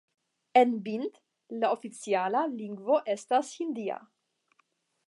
En Bhind la oficiala lingvo estas la hindia.